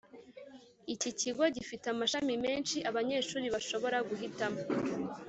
Icyi kigo gifite amashami menshi abanyeshuri bashobora guhitamo